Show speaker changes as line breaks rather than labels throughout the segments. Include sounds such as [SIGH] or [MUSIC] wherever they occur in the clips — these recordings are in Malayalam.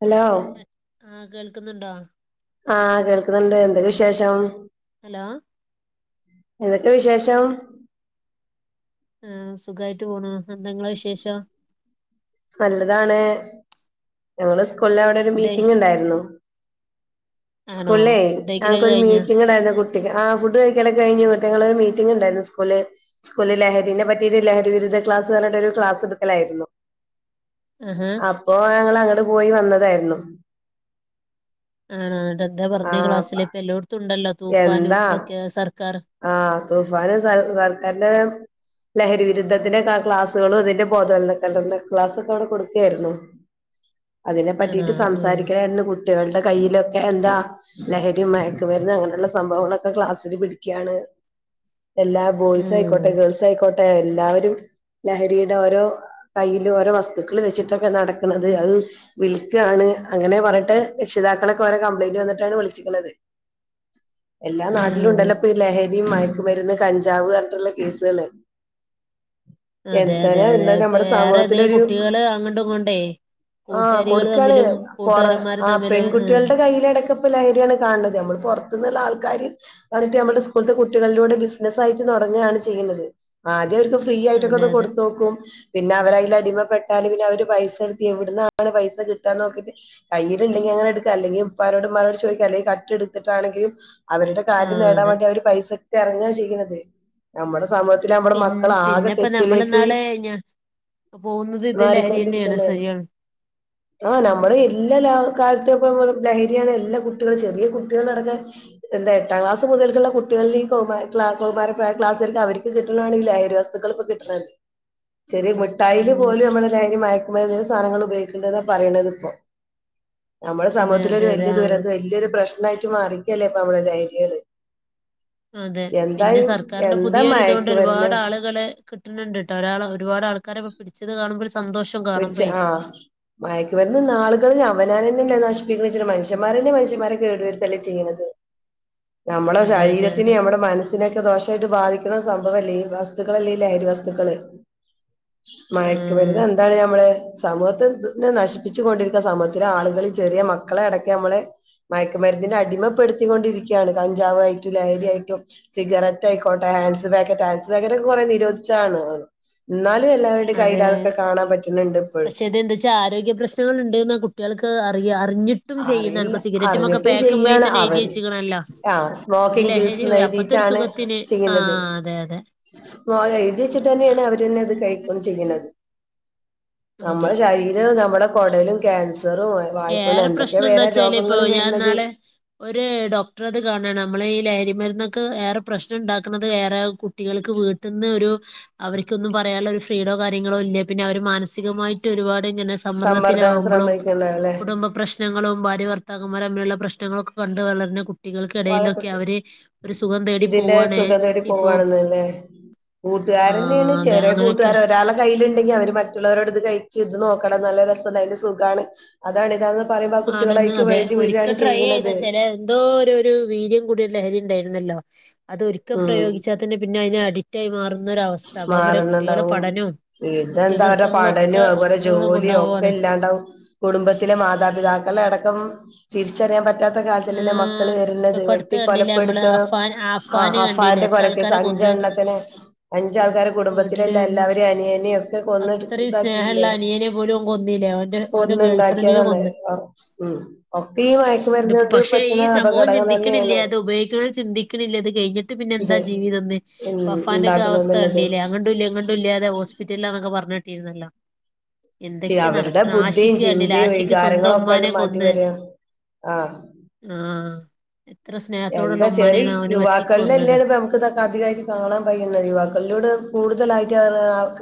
ഹലോ-
ആഹ് കേൾക്കുന്ന്ണ്ടോ?
ആഹ് കേൾക്കുന്ന്ണ്ട് എന്ത് വിശേഷം?
ഹലോ-
എന്തൊക്കെ വിശേഷം?
ആഹ് സുഖായിട്ട് പോണു എന്താങ്ങള വിശേഷം-
നല്ലതാണ്- ഞങ്ങള് - സ്കൂൾടവിടെ ഒരു
ഫുഡ്
മീറ്റിംഗ് ഉണ്ടായിരുന്നു-
ആണോ
സ്കൂള്ലേ
ഫുഡ് കഴിക്കലൊക്കെ
ഞങക്കൊരു
കഴിഞ്ഞോ
മീറ്റിംഗണ്ടായിുന്ന കുട്ട് ആ ഫുഡ് കഴിക്കലൊക്കെ കഴിഞ്ഞു ഞങ്ങള് മീറ്റിംഗ ഉണ്ടായിരുന്നു സ്കൂളി സ്കൂലിൽ ലഹരിനെ പറ്റിയ ഒരു ലഹരി വിരുദ്ധ ക്ലാസ് പറഞ്ഞട്ട ഒരു ക്ലാസ് എടുക്കലായിരുന്നു-
ആഹാ
അപ്പൊ ആ- ങ്ങള് അങ്ങട് പോയി വന്നതായിരുന്നു-
ആണോ ങ്ങട്ടെന്താ പർഞ്ഞേ
ആഹ്
ക്ലാസ്സില് ഇപ്പല്ലോട്ത്തുണ്ടല്ലോ തൂഫാനും ഇതൊക്കെ സർ
ആ തുഫാന് സർ സർക്കാരിന്റെ ലഹരിവിരുദ്ധത്തിന്റെക്ക ക്ലാസ്സുകളും ഇതിന്റെ ബോധവൽ [UNINTELLIGIBLE] ക്ലാസൊക്കെ അവിടെ കൊടുക്കയിരുന്നു അതിനെ
ആണോ
പറ്റിട്ട്
ഉം
സംസാരിക്കാനായിരുന്നു കു ട്ടികളുടെ കയ്യിലൊക്കെ എന്താ ലഹരി മയക്കുമര്ന്ന് അങ്ങനെള്ള സംഭവങ്ങളൊക്കെ ക്ലാസ്സിൽ പിടി ക്ക്യാണ്. എല്ലാ ബോയ്സയിക്കോട്ടെ
ഉം
ഗേൾസയിക്കോ ട്ടെ എല്ലാവരും ലഹരിയുടെ ഓരോ കയ്യിലും ഓരോ വസ്തുക്കൾ വെച്ചിട്ടൊക്കെ നടക്ക്ണന്നത് അഅ് വിൽക്കാണ് അങ്ങനെ പർഞ്ഞിട്ട് രക്ഷിതാക്കളൊക്കെ ഓരോ കംപ്ലൈയിന്റ് വന്നിട്ടാണ് വിൾച്ചിക്കണത് എല്ലാ
ഉം ഉം
നാട്ടിലുണ്ടല്ലോ
ഉം
പ ഈ ലഹരിമര് [UNINTELLIGIBLE] മര്ന്ന് കഞ്ചാവർഞ്ഞിട്ടുള്ള കേസുകള്
അതെ അതെ
എന്തണ്
അതെ
ഇന്ന്
ഇപ്പൊ
നമ്മുടെ
ഏറെ ഇതേ
സമൂഹത്തിലൊരു
കുട്ടികള് അങ്ങട്ടും ഇങ്ങോണ്ടേ
ആ
കൂട്ടുകാരികള്
കൊട്ക്കാണ്
തമ്മിലും
പൊറ
കൂട്ടുകാരന്മാര്
ആ
തമ്മിലും
പെൺകുട്ട്യ
ഉം
ൾടെ കയ്യിലടക്കപ്പ ലഹര്യാണ് കാണത് അമ്മള് പൊർത്ത് ന്ന് ള്ളാൾക്കാര് [UNINTELLIGIBLE] ട്ട് നമ്മടെ സ്കൂൾത്തെ കുട്ടികളിലൂടെ ബിസിനസായി ട്ട് നടങ്ങാണ് ചെയ്യുന്നത് ആദ്യ വര് ഫ്രീ ആയിട്ടൊക്കെ
അതെ
അത്
അതെ
കൊട്തോക്കും പിന്നെ അവര് അയില് അടിമപ്പെട്ടാല് പിന്നെ അവര് പൈസ എടുത്ത് എവിടുന്നാണ് പൈസ കിട്ടാന്ന് നോക്കിട്ട് കയ്യിയിലുണ്ടെങ്കിൽ അങ്ങനെ എടുത്ത് അല്ലെങ്കിൽ ഉപ്പാനോടും ഉമ്മാനോടും ചോദിക്കാ അല്ലെങ്കിൽ കട്ടെടുത്തിട്ടാണെങ്കിലും അവരെട്
ആഹ്
നേടാൻ
അതെ
വേണ്ടി അവര് പൈസ എറങ്ങാ ചെയ്യണത് നമ്മുടെ സമൂഹത്തില് നമ്മളെ
പിൻ
മക്കളെ ആകെ
പിന്നെപ്പ
തെറ്റിലേക്ക്
നമ്മളിന്നാള് ഞാ പോകുന്നത് ഇത് ലഹരി തന്നെയാണ്
മാറിക്കൊണ്ടിരിക്ക്ന്നാണ്
ശരിയാണ്
ആ
ഉം
നമ്മടെ എല്ലാ ലാ കാലത്തെ ഇപ്പം ലഹരിയാണ് എല്ലാം കുട്ടികൾ ചെറിയ കുട്ടികൾ [UNINTELLIGIBLE] എന്താ എട്ടാം ക്ലാസ് മുതൽക്കുള്ള കുട്ടികളില് ഈ കൗമാ ക്ലാ കൗമാര ക്ലാസ്സ് അവര്ക്ക് കിട്ടണതാണിത് ഈ ലഹരി വസ്തുക്കൾ ഇപ്പ കിട്ടണത്. ശെരി മിഠായില്
ഉം
പോലും നമ്മളെ ലഹരി മയക്ക് മ്മളെന്തേലും സാധനങ്ങള് ഉപയോഗിക്ക്ണ്ട്ന്നാ പറയണത് ഇപ്പോ? നമ്മളെ
അതെ
സമൂഹത്തിൽ
അതെ
ഒരു
അതെ
വെല്ല്യ
ആഹ്
ദുരന്ത വെല്യൊരു പ്രശ്ന [UNINTELLIGIBLE] മാറിക്കല്ലേ നമ്മളെ ലൈ [UNINTELLIGIBLE]
അതെ പിന്നെ
എന്തായി
സർക്കാരിന്റെ
എന്താ
പുതിയൊരു ഇതുണ്ട്
മയക്കുമരുന്ന്
ഒരുപാട് ആളുകള് കിട്ടണണ്ട് ട്ടോ ഒരാള് ഒരുപാട് ആൾ ക്കാരെ ഇപ്പം പിടിച്ചത് കാണുമ്പോ ഒര്സ്
വിടിച്ച് ആ മയക്ക് മരുന്ന് ന്നാള്കള് അവനാനെന്നെയല്ലേ നഷ് [UNINTELLIGIBLE] മനുഷന്മാരെന്നെയാ മനുഷ്യന്മാരെ കേട് വെരുത്തല് ചെയ്യുന്നത്. ഞമ്മളെ
അതെ അതെ അതെ
ശരീരത്തിന് ഞമ്മളെ മനസ്സിനൊക്കെ ദോഷായിട്ട് ബാധിക് [UNINTELLIGIBLE] സംഭവല്ലേ ഈ വസ്തുക്കള് അല്ലേ ഈ ലഹരി വസ്തുക്കള് മയക്ക്
ആഹ്
മരുന്ന് എന്ത് ബള് സമൂഹത്തെ ത് ങ്ങെ നശിപ്പിച്ചു കൊണ്ടിരിക്ക. സമൂഹത്തിലെ ആളുകളിൽ ചെറിയ മക്കളെ അടക്കെ മ്മള് മയക്കുമരുന്നിന്റെ അടിമപ്പെടുത്തി കൊണ്ടിരിക്ക്യാണ്. കഞ്ചാവായിട്ടും ലഹരി ആയിട്ടും സിഗരറ്റ് ആയിക്കോട്ടെ ഹാൻസ് പാക്കറ്റ് ഹാൻസ് പാക്കറ്റ് ഒക്കെ കൊറെ നിരോധിച്ചാണ് ഉം ന്നാലു എല്ലാവരുടെ
അതെ
കയ്യില് അതൊക്കെ ഇപ്പോഴും
പക്ഷെ അത് ന്താച്ചാ ആരോഗ്യ പ്രശ്നങ്ങള്ണ്ട് ന്നാ കുട്ട്യാള് ക് ആ
അറിയില്ല അറിഞ്ഞിട്ടും
പാക്കുമ്മേൽ
ചെയ്യാണ്
തന്നെ എഴുതി
അവര്.
വെച്ചിക്കണല്ലോ
ആ
ഒരു
സ്മോക്കിങ് ഗിൽസ്
ലഹരി
എന്ന്
ഒരു അപ്പത്തെ ഒരു
എഴുതിട്ടാണ്
സുഖത്തിന്
ചെയ്യുന്നത്.
ആഹ് അതെ അതെ
പോലെ എഴുതി വെച്ചിട്ട്
ആ,
ന്നെയാണ് അവര്ന്നെ അത് കഴി ഉം ചെയ്യുന്നത്
അതെ
അമ്മളെ ശരീരം ന്ന മ്മടെ കൊടലും ക്യാൻസ് നറോഹ് വായി
വേറെ പ്രശ്നം എന്താ ച്ചാല് ഇപ്പൊ ഞാൻ ന്നാള് ഒരു ഡോക്ടർ അത് കാണണ് അമ്മളെ ഈ ലഹ രി മരുന്നൊക്കെ ഏറെ പ്രശ്നം ണ്ടാക്കുന്നത് ഏറെ കുട്ടികൾക്ക് വീട്ടിന്ന് ഒരു അവർക്ക്ന്നും പറയാനുള്ള ഒരു ഫ്രീഡോ കാര്യങ്ങളോ ഇല്ല. പിന്നെ അവര് മാനസികമായിട്ട് ഒരുപാട് ഇങ്ങനെ
സമ്മർദ്ദന
സമ്മർദ്ദത്തിലാവുമ്പളും
ശ്രമ [UNINTELLIGIBLE] ല്ലേ
കുടുംബ പ്രശ്നങ്ങളും ഭാര്യവർത്താക്കന്മാര മ്മിലുള്ള പ്രശ്നങ്ങളൊക്കെ കണ്ട് വളരുന കു
വലക്കട്ട്
തേടി
ഇതിന്റെ
പോവാണ്
സുഖം തേടി
ഇപ്പോ
പോകണെന്നല്ലേ
ആ
കൂട്ടുകാരന്നെയാണ്
അതെ
ചെറിയ
അങ്ങനെയൊക്കെ
കൂട്ടുകാര ഒരാളെ കയ്യില് ലെങ്കി അവര് മറ്റുള്ളവരോട് ഇത് കഴിച്ച ഇത് നോക്കണം നല്ല രസം അതിന്റെ സുഖമാണ് അതാണ് ഇതാണ്
ആണന്ന് അതെ ഒരിക്കൽ ട്രൈ ചെയ്ത
ചെയ്യണത്
ചില എന്തോ ഒരു ഒരു വീര്യം കൂടി ലഹരി ഉണ്ടായിരുന്നല്ലോ അതൊരിക്കം പ്രയോഗിച്ചാൽ തന്നെ പിന്നെ അതിനടി റ്റ് മാറും
മാറണണ്ടാവും ഇതെന്താ അവരുടെ
കുറ്റകൃത്യങ്ങളും
പഠനം
ഒക്കെ
അതുപോലെ
ഇതുകൊണ്ട്
ജോലിയോ ഒക്കെ
കൊണ്ടുപോവാണ്
ഇല്ലാണ്ടാവും കുടുംബത്തിലെ മാതാപിതാക്കൾ മക്കളെ അടക്കം തിരിച്ചറിയാൻ പറ്റ പറ്റാത്ത കാലത്തിലല്ലേ മക്കള്
ഏഹ് ഇപ്പൊ
വരുന്നത്
ഇപ്പൊ അടുത്ത്
വെട്ടി
കണ്ടില്ലേ നമ്മള്
കൊലപ്പെട്ടുത്തണം
അഫാൻ
ആ
അഫാന് കണ്ടില്ലേ
അഫാന്റെ
എത്ര
കൊലകേസ്
ആൾക്കാരെ
അഞ്ചണ്ണതിന്റെ
കൊന്ന്
എണ്ണത്തിനെ അൻ അഞ്ചാൾക്കാരുടെക
വീട്ടില്
കുടുംബത്തിലെല്ലാം
ഉം
എല്ലാവരെയും അനിയനിയ ഒക്കെ കൊന്ന്
അത്രയും സ്നേഹമുള്ള
ഇതാക്കിലെ
അനിയനെ പോലും ഓൻ കൊന്നില്ലേ ഓന്റെ ഓന്റെ ഗേൾ ഫ്രണ്ടിനെ
കൊന്നുണ്ടാക്കിയതാണ്
കൊന്ന്
ഉ ഒക്കെ ഈ മയക്ക് മരുന്ന്
ഇതിപ്പോ
കൊണ്ട്
പക്ഷേ
പറ്റണ
ഈ സമൂഹം
അപകടകം
ചിന്തിക്കണില്ല
തന്നെയാണ്
അത് ഉപയോഗിക്കണത് ചിന്തിക്കണില്ല ഇത് കഴിഞ്ഞിട്ട് പിന്നെ എന്താ
ഇത്
ജീവിതം എന്ന് ഇപ്പൊ അഫാന്റെ
ഉണ്ടാ
ഒക്കെ അവസ്ഥ ണ്ട് ല്ല അങ്ങട്ടുല്ല ഇങ്ങട്ടുല്ലാതെ ഹോസ്പിറ്റല്ലാന്നൊക്കെ പറഞ്ഞേട്ടിന്നല്ലോ
ച അവരുടെ ബുദ്ധിയും ചിന്തയും
ആഷിക്ക് സ്വന്തം
വികാരങ്ങളൊക്കെ
ഉമ്മാനെ
എല്ലാം മാറ്റി
കൊന്ന്
വരിക ആ
ആ എത്ര സ്നേഹത്തോടുള്ള
എന്താ ചെറിയ
ഉമ്മാനെയാണ് അവന്
യുവാക്കളിലല്ലേ
വെട്ടിക്കൊന്നത്
ഇത് പ്പ നമുക്ക് ഇതൊക്കെ അധികമായിട്ട് കാണാൻ കയ്യണത്ത് യുവാക്കളിലൂടെ കൂടുതലായിട്ട്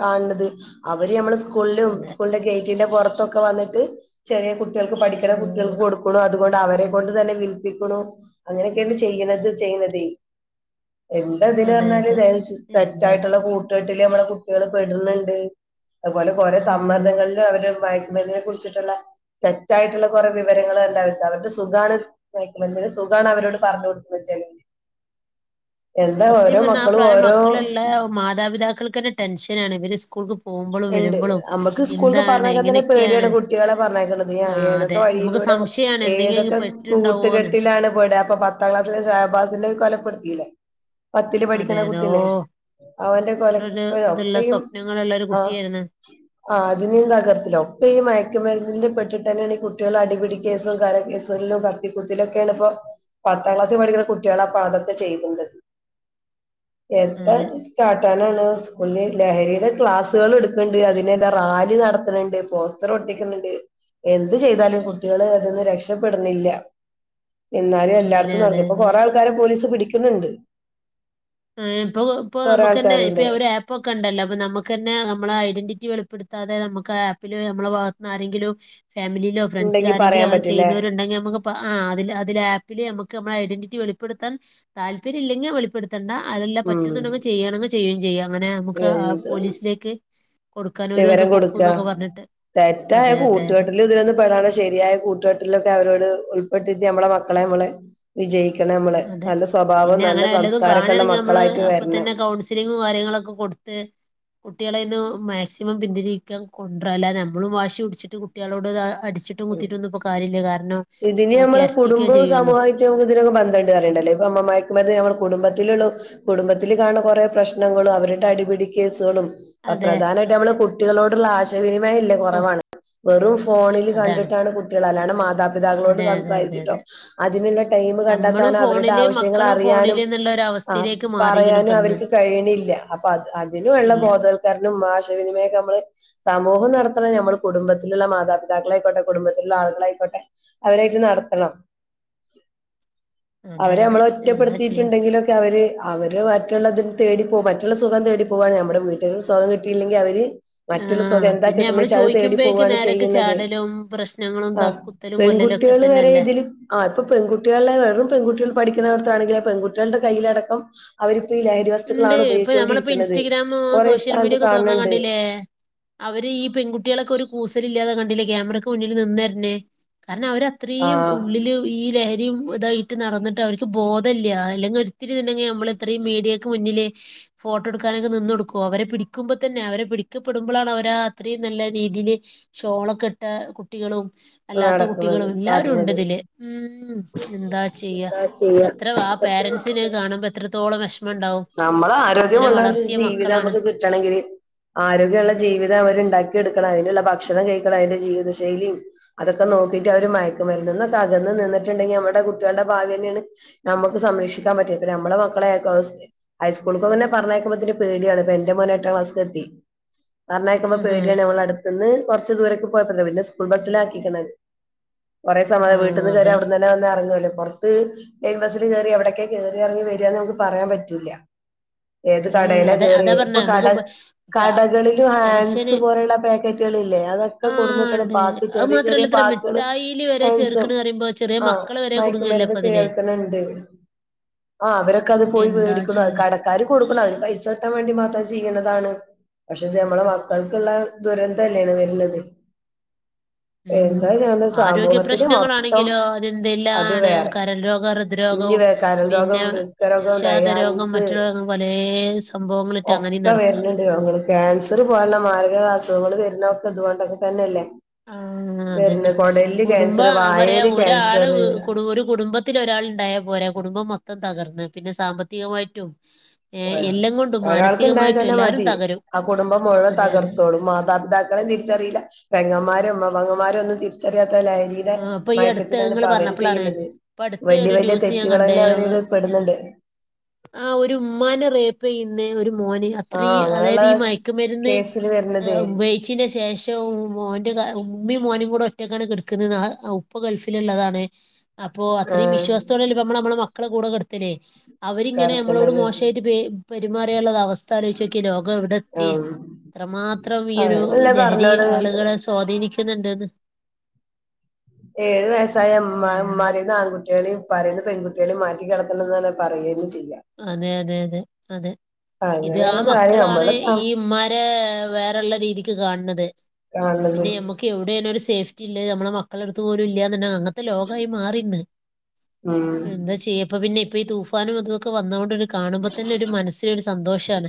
കാണ്ന്നത് അവര് നമ്മള് സ് സ്കൂളിലും
അതെ
സ്കൂളിന്റെ ഗേറ്റിന്റെ പുറത്തൊക്കെ വന്നിട്ട് ചെറിയ കുട്ട കുട്ടികക്ക് പഠിക്കുന്ന കുട്ടികൾക്ക്
ഉം
കൊടുക്കുണു അതുകൊണ്ട് അവരെ കൊണ്ട് തന്നെ വിൽപ്പിക്കുണു അങ്ങനെയൊക്കെയാണ് ചെയ്യണുന്നത് ചെയ്യതേ എന്ത ഇതിനു
അതെ
പറഞ്ഞാല്
അതെ എന്താ
തെറ്റായിട്ടുള്ള
ചെയ്യ
കൂട്ടുകെട്ടില് നമ്മ കുട്ടികള് പെടുണ്ണ്ണ്ട് അതുപോലെ കുറെേ
ഉം
സമ്മർദങ്ങളിലും അവരെ മായ തിനെ കുറിച്ചിട്ടുള്ള തെറ്റായിട്ടുള്ള കുറ വിവരങ്ങൾ ഉണ്ടാവല്ലോ അവരുടെ സുകാണ് [UNINTELLIGIBLE] അതാണ് അവരോട് പറഞ്ഞ് കൊടുക്കന്ന് വെച്
സത്യം പറഞ്ഞാൽ ആ പ്രായം മക്കളുള്ള മാതാപിതാക്കൾക്ക് തന്നെ ടെൻഷനാണ് ഇവര് സ്കൂൾക്ക് പോകുമ്പോഴും
ഇണ്ട്
വരുമ്പോഴും
ഞമ്മക്ക്സ്കൂൾക്ക്
എന്താണ്
പറഞ്ഞേക്കാ തന്നെ
എങ്ങനെയൊക്കെയാണ്
പേടിയാണ് കുട്ടികളെ പറഞ്ഞേക്കണ്ന്നത് ഞ
ആ അതെ
ഏതൊക്കെ
നമുക്ക്
വഴിയിലൂടെ
സംശയമാണ് എന്തെങ്കിലും
ഏതൊക്കെ
പെട്ടിണ്ടാവോന്ന്
കൂട്ടുകെട്ടിലാണ് പേട അപ്പൊ പത്താം ക്ലാസ്സില ശഹബാസിന്റെ കൊലപ്പെടുത്തില്ലേ പത്തില്
അതെ
പഠിക്കണ
അതെ ഓ
കുട്ടിനെ അവന്റെ കൊല
ഇത്ര ഒരു ഇതുള്ള
ഒക്കെയും
സ്വപ്നങ്ങളുള്ള ഒരു
ആ
കുട്ടിയായിരുന്നു
അതിനിതകർത്തില്ലേ ഒക്കെ ഈ മയക്ക് മരുന്നിന്റെ പെട്ടിട്ട് തന്നെയാണ് ഈ കുട്ടികളുടെ അടിപിട കേസും കര കേസുകളിലും കത്തിക്കുത്തില്ലും ഒക്കെണ് ഇപ്പോ പത്താം ക്ലാസ്സിൽ പഠിക്കുന്ന കുട്ടികൾ അപ്പ അതൊക്കെ ചെയ്തുന്നത് എന്താ
അതെ
കാട്ടാനാണ് സ്കൂളിൽ ലഹരിയുടെ ക്ലാസ് [UNINTELLIGIBLE] ൾ ഇടുക്ണ്ട് അതിനതാ റാലി നടത്തണണ്ട് പോസ്റ്റർ ഒട്ടിക്കണ് ണ്ട് എന്ത് ചെയ്താലും കുട്ടികള് അതിന്ന് രക്ഷപ്പെടണില്ല എന്നാലും
ഇല്ല
എല്ലായിടത്തും
അതെ
നടക്കും ഇപ്പ
അതെ
കൊറെ
അതെ
ആൾക്കാരെ പോലീസ് പിടി ക്ക് ണ് ണ്ട്
ആ ഇപ്പൊ ഇപ്പൊ നമുക്ക് തന്നെ ഇപ്പൊ ഒരു ആപ്പ് ഒക്കെ ഇണ്ടല്ലോ അപ്പൊ നമുക്കന്നെ നമ്മള ഐഡന്റിറ്റി വെളിപ്പെടുത്താതെ നമുക്ക് ആപ്പില് നമ്മള ഭാഗത്തു ന്ന് ആരെങ്കിലും ഫാമിലിയിലോ ഫ്രണ്ട്സിലോ
ഉണ്ടെങ്കി
ആരെങ്കിലും
പറയാൻ
അങ്ങനെ
പറ്റൂലേ
ചെയ്യുന്നവരു ഉണ്ടെങ്കിൽ നമുക്ക് അതില് അതില് ആപ്പില് നമുക്ക് മ്മളെ ഐഡന്റിറ്റി വെളിപ്പെടുത്താൻ താല്പര്യം ഇല്ലെങ്കിൽ വെളിപ്പെടു ത്തണ്ട അതെല്ലാം
ഉം
പറ്റുന്നുണ്ടെങ്കിൽ ചെയ്യാണെങ്കിൽ ചെയ്യും ചെയ്യാ അങ്ങനെ നമുക്ക് ആ
എന്ത്
പോലീസിലേക്ക് കൊടുക്കാൻ ഒരു ഒന്ന്
വിവരം
പൊക്കും
കൊടുക്ക
എന്നൊക്കെ പറഞ്ഞിട്ട്
തെറ്റായ
അതെ അതെ അതെ
കൂട്ടുകെട്ടിൽ ഇതിലൊന്നും പെടാണ്ട ശരിയായ കൂട്ടുകെട്ടിലൊക്കെ അവരോട് ഉൾ പ്പെട്ടിട്ട് നമ്മളെ മക്കളെ നമ്മളെ വിജയി
അതെ പിന്നെ അങ്ങനെ വല്ലതും
സംസ്കാരൊക്കെ ഉള്ള
കാണാണെങ്കിൽ നമ്മള്
മക്കളായിട്ട്
അപ്പ
വരണം
തന്നെ കൗൺസിലിങ്ങും കാര്യങ്ങളൊക്കെ കൊടുത്ത് കുട്ടികളെന്ന് മാക്സിമം പിന്തിരിക്കാൻ കൊണ്ട്രാ അല്ല നമ്മളും വാശി പുടിച്ചിട്ട് കുട്ടിയേളോട് ഇതാ അടിച്ചിട്ടും
ഉം
കുത്തിട്ടൊ ഒന്നും ഇപ്പൊ കാര്യല്ല കാരണം
ഇതിന്
അതൊക്കെ
നമ്മളെ
എരട്ടിക്കെ ചെയ്യുള്ളു
ണ്ട് പറിണ്ടല്ലേ ഇപ്പം [UNINTELLIGIBLE] മയ്ക്ക് മരുന്ന് ഞമ്മള കുടുംബത്തിലുള്ളു കുടുംബത്തില് കാണ്‌ണ കുറേ പ്രശ്നങ്ങളും അവരുടെ അടിപിടി കേസുകളും
അതെ
പ്രധാനായിട്ട് നമ്മള് കുട്ടികളോടുള്ള ആശയവിനിമയം ഇല്ലേ
സ്വസ്
കുറവാണ് വെറും ഫോണിൽ ക
അതാണ്
ണ്ടിട്ടാണ് കുട്ടികൾ അല്ലാണം മാതാ പിതാക്കളോട്
അതെ അതെ അതെ
സംസാരിച്ചിട്ടോ
അതെ
അതിനുള്ള ടൈം
നമ്മളും
കണ്ടെത്താനൊ അവരുടെ
ഫോണില് മക്കളും
ആവശ്യങ്ങറിയാനും
ഫോണില് എന്നുള്ള ഒരു
ആ
അവസ്ഥയിലേക്ക് മാറിയിരിക്കണ്
പറയാനും
ഇപ്പൊ ഇന്ന്
അവര്ക്ക് കഴിയിണില്ല അപ്പ അത് അതിനുള്ള
ഇല്ല
ബോധവൽക്കരണം മാശയവിനിമയം ഒക്കെ നമ്മള് ത മോഹം നടത്തണം ഞമ്മള് കുടുംബത്തിലുള്ള മാതാപിതാക്കളെകൊണ്ടേ കുടുംബത്തിലുള്ള ആളുകളായിക്കോട്ടെ അവരായിട്ട് നടത്തണം
അതെ
അവരെ
അതെ
നമ്മള്
എന്താ ചെയ്യാ
ഒറ്റപ്പെടുത്തിട്ടുണ്ടെങ്കിലൊക്കെ അവര് അവര് മറ്റുള്ളതി നെ തേടി പോവും മറ്റുള്ള സുഖം തേടിപ്പോവാണ് നമ്മുടെ വീട്ടിൽ സുഖം കിട്ടിയില്ലെങ്കിൽ അവര് മറ്റുള്ള സുഖം
ആഹ്
എന്താ
പിന്നെ
കിട്ട്ണത്
നമ്മള്
വെച്ചാ അത് തേടി
ചോദിക്കുമ്പോഴേക്ക്
പോവാണ്
നേരക്ക്
ചെയ്യ്ണത്
ചാടലും പ്രശ്നങ്ങളും ത
ആ
കുത്തലും കൊല്ലലും ഒക്കെ
പെൺകുട്ടികള് വരെ
തന്നെയല്ലേ
ഇതിൽ ആ ഇപ്പൊ പെൺകുട്ടികളെ വെറും പഠിക്കുണോട്ത്താണെങ്കില് ആ പെൺകുട്ടികളുടെ കയ്യിലടക്കം അവര്
ഇണ്ട് ഇപ്പൊ നമ്മളിപ്പോ ഇൻസ്റ്റഗ്രാമോ
കൊറേ
സോഷ്യൽ മീഡിയ
സ്ഥലത്ത്
ഒക്കെ തോർന്നാ
കാണുന്നുണ്ട്
കണ്ടില്ലേ അവര് ഈ പെൺകുട്ടികളൊക്കെ ഒരു കൂസല് ഇല്ലാതെ കൺ ട്ലേ ക്യാമറയ്ക്ക് മുന്നില് നിന്ന ര് ന് കാരണം അവരത്രയും
ആഹ്
ഉള്ളില് ഈ ലഹ രിം ഇതായിട്ട് നടന്നിട്ട് അവരിക്ക് ബോധല്ല അല്ലെങ്കിൽ ഒരിത്തിരി നമ്മളിത്രയും മീഡിയ മുന്നില് ഫോട്ടോ എടുക്കാനൊക്കെ നിന്ന് കൊടുക്കോ അവരെ പിടിക്കുമ്പോ തന്നെ അവരെ പിടിക്കപ്പെടുമ്പോഴാണ് അവരാ അത്രയും നല്ല രീതില് ഷോളൊക്കെ ഇട്ട കുട്ടികളും അല്ലാത്ത
നടക്കുന്നത്
കുട്ടികളും എല്ലാവരും ഉണ്ട്
കാട്ടുന്നത്
തില്. ഉം എന്താ ചെയ്യാ
എന്താ
എത്ര ആ
ചെയ്യാ
പേരൻസിനത് കാണുമ്പോ എത്ര തോളം വെഷ്
നമ്മള് ആരോഗ്യമുള്ള ഒരു ജീവിതം
മക്കളാണ്
നമുക്ക് കിട്ടണങ്കിൽ ആരോഗ്യമുള്ള ജീവിതം അവര്ണ്ടാക്കി എടുക്കണം അതിനുള്ള ഭക്ഷ ഭക്ഷണം കഴിക്കണം അതിന്റെ ജീവിതശൈലിം അതൊക്കെ നോക്കിയിട്ട് അവര് മയക്കുമരുന്ന് എന്നൊക്കെ അകന്ന് നിന്നിട്ടുണ്ടെങ്കി നമ്മുടെ കുട്ടികളുടെ ഭാവി തന്നെയാണ് നമുക്ക് സംരക്ഷിക്കാൻ പറ്റിയത് പിന്നെ നമ്മെ മക്കളെ ആരിക്കും അവ ഹൈസ്കൂളക്കൊന്നെ പറഞ്ഞയക്കുമ്പോത്തിന് പേടിയാണ് ഇപ്പൊ എന്റെ മോന് എട്ടാം ക്ലാസ്ക്ക്‌ എത്തി പറഞ്ഞയക്കുമ്പോ
ഉം ഹും.
പേടിയാണ് ഞമ്മളടുന്ന് കൊറച്ച് ദൂരക്ക്‌ കുഴപ്പില്ല പിന്നെ സ്കൂൾ ബസ്സില് ആക്കിക്കണ് കൊറെ സമ
ആ
വീട്ടിന്ന് കേറിയ
അതെ
അവിടന്ന്ന്നെ വന്ന ഇറങ്ങ്ലോ പുറത്ത് ലൈൻ ബസില് കേറി എവിടെക്കെ കേറിയിറങ്ങി വേരുകാന്ന് നമുക്ക് പറയാൻ പറ്റോ ഇല്ല ഏത്
ഉം,
കടേല്
അതെ
കേറി
അതാ
ഇപ്പൊ
പറഞ്ഞെ
കട
നമുക്ക് ബ- ഇപ്പൊ ആ
കടകളിലും ഹാൻസ്
ടെൻഷന്
പോലുള്ള പാക്കറ്റുകളില്ലേ അതൊക്കെ
ആ
കൊണ്ട്വന്നേക്കുന്നു
ഉണ്ട്
പാക്ക്
അത്
ചെറിയ ചെറിയ
മാത്രല്ല ഇത്ര
പാക്ക്കള്
മിഠായില് വരെ
ഹാൻസും
ചേർക്കണ് പറയുമ്പോ ചെറിയ
ആ
മക്കള് വരെ കുടുങ്ങല്ലേ
മയ്ക്കുമരുന്ന്
ഇപ്പൊ അതില്
കേൾക്കണുണ്ട് അ അവരൊക്കെ അത്പോയി
എന്താ
വേടി
ചെയ്യാ
കടക്കാര് കൊടുക്കുന്ന പൈസക്കിട്ടാൻ വേണ്ടി മാത്രം ചെയ്യണതാണ് പക്ഷേ ഇത് നമ്മള മക്കൾക്കുള്ള ദുരന്തം അല്ലേ വരുന്നത്
ഉം ആരോഗ്യ
മൊത്തം
പ്രശ്നങ്ങളാണെങ്കിലോ
അത്
അതെന്തെല്ലാണ്
വേറെ
കരൾരോഗം
ഇഞ്ഞി
ഹൃദ്രോഗം
വേ കരൾ
പിന്നെ വിഷാദ രോഗം മറ്റും അങ്ങനെയും
ഒക്ക
നടക്കുക
വരണുണ്ട് ക്യാൻസറ് പോലുള്ള മാരക അസുഖ നമ്മള് വരുന്നോക്ക് ഇതോണ്ടൊക്കെ തന്നല്ലേ
ആ അതന്നെ കുടുംബ
ക്യാൻസർ
അവരെ
വായല്
ഒരാള്
ക്യാൻസർ
കുടു ഒരു കുടുംബത്തില് ഒരാളുണ്ടായാൽ പോരേ കുടുംബം മൊത്ത തകർന്ന് പിന്നെ സാമ്പത്തികമായിട്ടും ഏഹ്
പോയോ
എല്ലാം കൊണ്ടും
ഒരാൾക്ക് ണ്ടായ
മാനസികമായിട്ടും
തന്നെ
എല്ലാരും
മതി
തകരും.
ആ കുടുംബം മുഴുവൻ
അതെ അതെ.
തകർത്തോളും മാതാപിതാക്കളീം തിരിച്ചറീല്ല പെങ്ങൻ മ്മാരിം മ്മ പെങ്ങമ്മാരി ഒന്നും തിര്ച്ചറിയാ ത്ത ലഹരിയുടെ
ആഹ് അപ്പൊ ഈ അടുത്ത്
മയക്കത്തിലാണ്
ഇങ്ങള്
പകല്
പറഞ്ഞപ്പളാണ്
ചെയ്യുന്നത്
ഇപ്പൊ അടുത്ത്
വല്യ
ഒരു
വല്യ
ന്യൂസ് ഞാൻ കണ്ടേ
തെറ്റുകളന്നെ അവര് പെട്ന്ന്ണ്ട്
റേപ്പെയ്യുന്നേ ഒരു മോന് അത്രീ അതായത്
അങ്ങനെയുള്ള
ഈ മയക്കുമരുന്ന്
കേസില് വരുന്നത്
ഉപയോഗിച്ചീന്റെ ശേഷം മോന്റെ ഉമ്മീം മോനും കൂടെ ഒ റ്റക്കാണ് കട് [UNINTELLIGIBLE] ക്ക്ണ് [UNINTELLIGIBLE] ഉപ്പ ഗൾഫിലുള്ളതാണ് അപ്പൊ അത്രീം
ആഹ്
വിശ്വാസ്ത്തോടെല്ലേ നമ്മള് നമ്മളെ മക് മക്കളെ കൂടെ കെടുത്തല്ലേ അവരിങ്ങനെ നമ്മളോട്
കടത്തണത്
മോശായിട്ട്പെ പെരുമാറിയാ ള്ളൊരു അവസ്ഥ അവസ്ഥ ആലോയ്ച്ചോകിയെ ലോകം എവിടെത്തി
ആഹ്
എത്രമാത്രം ഈ ഒരു
അതന്നല്ലേ
ലഹരി
പറഞ്ഞോട്
ആളുകളെ സ്വാധീനിച് ക്ക് ന്ന്ണ്ട്ത്
ഏഴ് വയസ് വയസായ മ്മ
ഉം
മ്മാരെന്ന് ആങ്കു ട്ടിയെളീം [UNINTELLIGIBLE] പ്പാരെന്ന് പെങ്കുട്ടിയേളീം മാറ്റി കടത്തണം ന്നാണ് പറയ്യെന്നെ ചെയ്യായ്--‌
അതെ അതെ അതെ അതെ ഇത് ആ
അങ്ങനെയുള്ള കാര്യം
മക്കളാണ്
നമ്മള്
ഈ മ്മാരെ വേറെള്ളരീതിക്ക് കാൺണത്
കാണണത്
പിന്നെ യമ്മക്ക് യവ്ടെണ് ഒര് സ് സേഫ്റ്റിള്ളത് നമ്മളെ മക്കളെട്ത് പോലും ഇല്ല്യ അങ്ങൻതെ ലോകായി മാറി ഇന്ന്.
ഉം
എന്താ ചെയ്യപ്പോ പിന്നിം പൊ ഈ തൂഫാനും അതോ കെ വന്നൊണ്ടൊരു കാണുമ്പോതന്നെ ഒരു മനസ്സിനൊരു സന്തോഷാണ്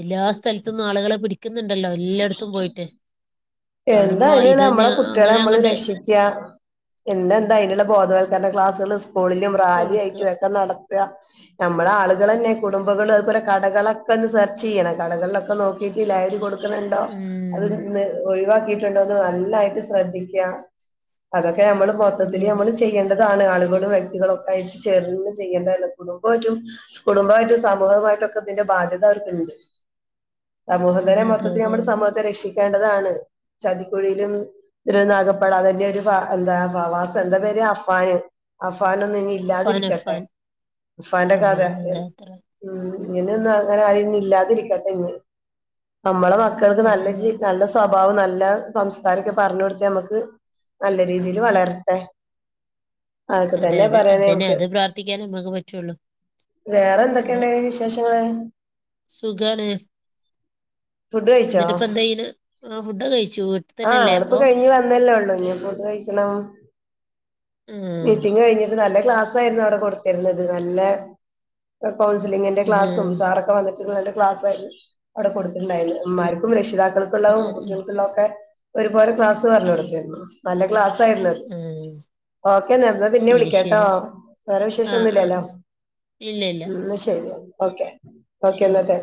എല്ലാ സ്ഥല്ത് ന്നും ആളുകളെ പിടിക് കാണുമ്പോ
എന്തായാലും
ഇത് തന്നെ
നമ്മളെ കുട്ടിയേളെ
അങ്ങനെ
മ്മള്
അങ്ങോട്ട്
രക്ഷിക്യ എന്ത എന്താ അയ്ന്ള്ള ബോധവൽകരണ ക്ലാസ്സ്‌കള് സ് കൂളിലും റാലി ആയിറ്റും
കൊടുക്കുക
ഒക്കെ നടത് ക്ക. നമ്മളെ ആള്കളെന്നെ കുടുംബകള് അത് പോലെ തന്നെ കടകളക്കെ ന്ന് സെർചെയ്യണം കടകൾളോക്കെ നോക്കീട്ട് ലഹരി കൊടുക് ക്ക്‌ണ്ണ്ടോ അത്
ഉം
ന്ന് ഒഴിവാക്കി കീട്ട്ണ്ടോന്ന് നന്നായിട്ട് ശ്രദ്ധിക്യ പലർകും ക്കെ നമ്മള്
അതെ
മൊത്തത്തില്
അതെ
നമ്മള്
അതെ
ചെയ്യണ്ടതാണ്. ആള് ങ്ങോട്ട് വ്യക്കതികളൊക്കെ ആയിറ്റ് ചേർന്ന് ചെയ്യണ്ടണ് കുടുംബായ്‌റ്റും കുടുംബായ്‌റ്റും സമൂഹമായ്‌ട്ടൊക്കെഇതിന്റെ ബാത്യത അവർക്ക്ണ്ട് സമൂഹം തന്നെ
അതെ
മൊത്ത
അതെ അതെ
നമ്മുടെ
അതെ
സമൂഹത്തെ രഷിക്കാൻ കേണ്ടതാണ്. ചതികുഴീലും രൊന്ന് അകപ്പെടാതെ ഞൊര് ഫ എന്താ ഫവാസോ ന്താ പേര് അഫാന് അഫ് ഫാനൊന്നും ഇനി
അഫാൻ
ഇല്ലാതിരിക്കട്ടെ
അഫാൻ
അഫാന്റെ കഥ
ആമേ അതെ
എന്
അത്ര
ഉം ഇങ്ങന ഒന്നും അങ്ങനെ ആരന്നും ഇല്ലാതിരിക്കട്ടെ ഇ നമ്മളെ മക്കൾക്ക്
അതെ
നല്ല
അതെ അതെ
നല്ല സ്വഭാവം നല്ല സംസ്കാരൊക്കെ പറഞ്ഞു കൊടുത്താ നമുക്ക് നല്ല രീതിൽ വളരട്ടെ അതൊക്കെ
അതെ
തന്നെ
അതെ അത്
പറയാനേ
തന്നെ
നമക്ക്
അത് പ്രാർത്ഥിക്കാനേ നമുക്ക് പറ്റുള്ളൂ
വേറെ എന്തൊക്കെയുണ്ട വിശേഷം ച
സുുകണ
ഫുഡ് കഴിച്ചോ
ആ ഫുഡ് കഴിച്ചു വീട്ടിൽ
ആ
തന്നെ അല്ലേ
ങ്ങളിപ്പോ
അപ്പൊ
കഴിഞ്ഞ് വന്നല്ലേ ഉള്ളൂ ഫുഡ് കഴിക്കണം
ആ
മീറ്റിംഗ കഴിഞ്ഞിട്ട് നല്ല ക്ലാസ് ആായിരുന്നു അവിടെ കൊടുത്തിരുന്നത് നല്ല കൗൺിലിന്റെ
ആ
ക്ലാസും സാൊക്കെ വന്നട്ട് ല്ല ക്ലാസ് ആയിരുന്നു അവിടെ കൊടുത്തിുണ്ടായിരുന്നു
ആ
്മാർക്കും രക്ഷിതാക്കൾക്കുള്ള കുട്ടികൾക്കുള്ള ഒക്കെ ഒരുപോലെ ക്ലാസ് പറഞ്ഞ കൊടുരുന്നു നല്ല ക്ലാസ്സ്
ആ ആ
ഓക്കെ നേ പിന്നെ
ശരി
വിളിക്കാംട്ടോ
ശരി
വേറെ
ആ
വിശേഷം
ആ ആ
ഒന്നുംല്ലല്ലോ
ഇല്ല ഇല്ല
ഉ ശരിയ ഓക്കെ ഓക്കെ
ശരി
എന്നാത്തെ